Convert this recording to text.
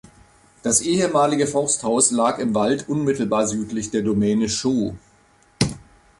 Das ehemalige Forsthaus lag im Wald unmittelbar südlich der Domäne Schoo.